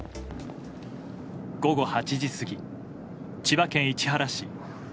午後８時過ぎ千葉県市原市。